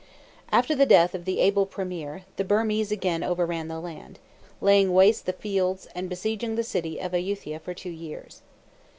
After the death of the able premier, the Birmese again overran the land, laying waste the fields, and besieging the city of Ayuthia for two years.